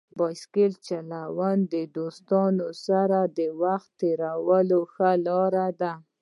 بایسکل چلول د دوستانو سره د وخت تېرولو ښه لار ده.